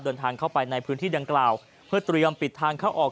เดินทางเข้าไปในพื้นที่ดังกล่าวเพื่อเตรียมปิดทางเข้าออก